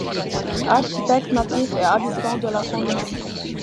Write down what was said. Architecte natif et habitant de la commune.